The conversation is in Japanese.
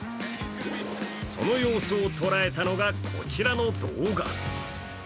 その様子を捉えたのがこちらの動画。